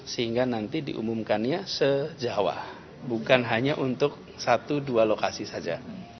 sehingga nanti diumumkannya se jawa bukan hanya untuk satu dua lokasi saja